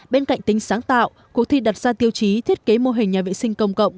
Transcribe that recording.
bên cạnh tính sáng tạo cuộc thi đặt ra tiêu chí thiết kế mô hình nhà vệ sinh công cộng